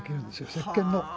せっけんの。